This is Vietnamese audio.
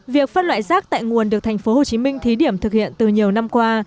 việc phân loại rác tại nguồn được thành phố hồ chí minh thí điểm thực hiện từ nhiều năm qua